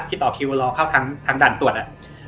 ที่ต่อคิวรอเข้าทางดันตรวจอะ